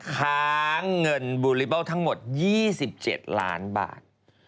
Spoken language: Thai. ค้างเงินบูลิเบิลทั้งหมด๒๗ล้านบาท